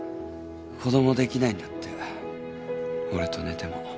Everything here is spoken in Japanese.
子供できないんだって俺と寝ても。